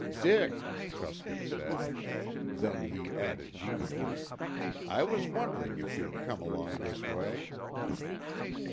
"Dick!" Truscott said. Then he added genially, "I was wondering if you'd come along this way."